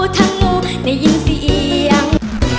ทั้งงูได้ยินเสียง